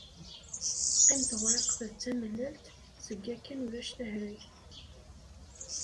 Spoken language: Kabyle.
Teqqim tewriqt d tamellalt, seg akken ulac tahregt.